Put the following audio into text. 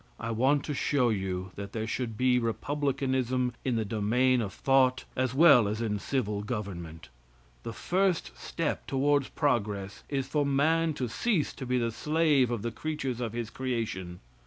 I want to show you that there should be republicanism in the domain of thought as well as in civil government. The first step toward progress is for man to cease to be the slave of the creatures of his creation.